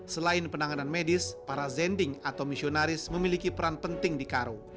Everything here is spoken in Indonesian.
selain penanganan medis para zending atau misionaris memiliki peran penting di karo